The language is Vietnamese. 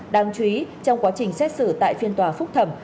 đáng chú ý trong quá trình xét xử tại phiên tòa phúc thẩm